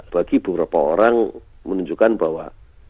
bagi beberapa orang menunjukkan bahwa